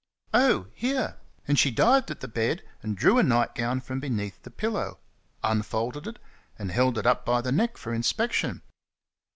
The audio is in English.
"Oh, here!" and she dived at the bed and drew a night gown from beneath the pillow, unfolded it, and held it up by the neck for inspection.